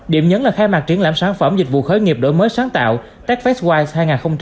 điểm nhấn là khai mạc triển lãm sản phẩm dịch vụ khởi nghiệp đổi mới sáng tạo techfestwise hai nghìn hai mươi